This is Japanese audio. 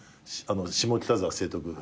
下北沢成徳。